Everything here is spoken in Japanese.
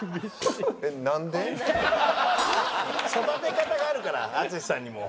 育て方があるから淳さんにも。